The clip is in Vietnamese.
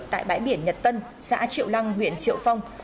tại bãi biển nhật tân xã triệu lăng huyện triệu phong